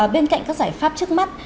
bên cạnh các giải pháp trước mắt